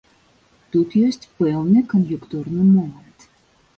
Тут ёсць пэўны кан'юнктурны момант.